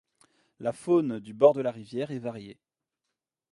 La faune du bord de la rivière est variée.